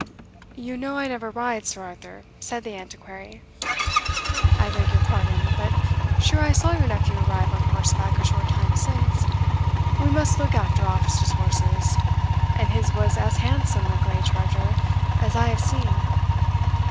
"You know I never ride, Sir Arthur," said the Antiquary. "I beg your pardon; but sure I saw your nephew arrive on horseback a short time since. We must look after officers' horses, and his was as handsome a grey charger as I have seen."